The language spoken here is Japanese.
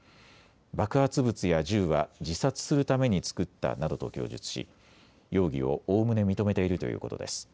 爆発物や銃は自殺するために作ったなどと供述し容疑をおおむね認めているということです。